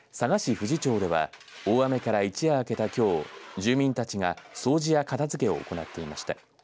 富士町では大雨から一夜明けたきょう住民たちが掃除や片づけを行っていました。